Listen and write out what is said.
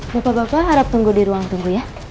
bapak bapak harap tunggu di ruang tunggu ya